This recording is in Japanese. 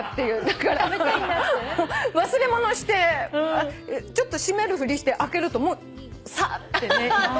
だから忘れ物してちょっと閉めるふりして開けるとサーって。